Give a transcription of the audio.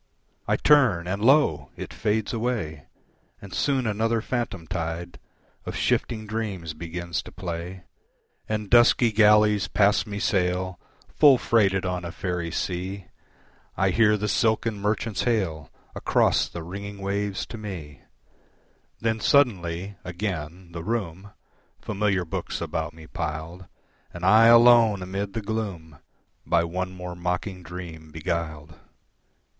I turn, and lo! it fades away, And soon another phantom tide Of shifting dreams begins to play, And dusky galleys past me sail, Full freighted on a faerie sea; I hear the silken merchants hail Across the ringing waves to me Then suddenly, again, the room, Familiar books about me piled, And I alone amid the gloom, By one more mocking dream beguiled.